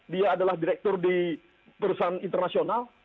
dia adalah direktur di perusahaan internasional